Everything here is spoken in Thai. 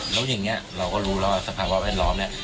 แล้วอย่างเนี่ยเราก็รู้สภาวะแวดล้อมเนี่ย